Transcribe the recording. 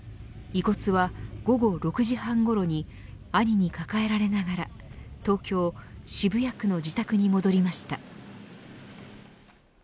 遺骨は午後６時半ごろに兄に抱えられながら東京、渋谷区の自宅に戻りました。